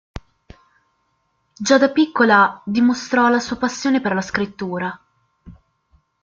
Già da piccola dimostrò la sua passione per la scrittura.